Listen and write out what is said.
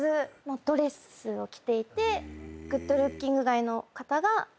ドレスを着ていてグッドルッキングガイの方が。